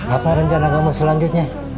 apa rencana kamu selanjutnya